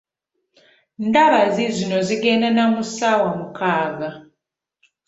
Ndaba ziizino zigenda na mu ssaawa mukaaga.